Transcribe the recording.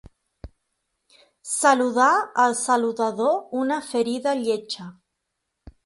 Saludar el saludador una ferida lletja.